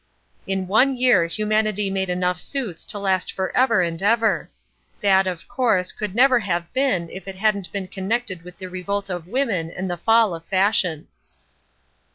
In one year humanity made enough suits to last for ever and ever. That, of course, could never have been if it hadn't been connected with the revolt of women and the fall of Fashion."